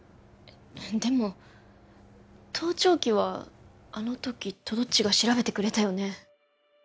でも盗聴器はあの時とどっちが調べてくれたよね